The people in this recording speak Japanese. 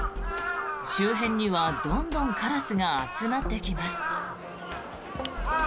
周辺にはどんどんカラスが集まってきます。